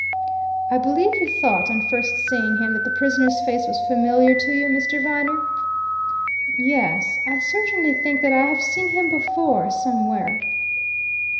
"I believe you thought, on first seeing him, that the prisoner's face was familiar to you, Mr. Viner?" "Yes I certainly think that I have seen him before, somewhere."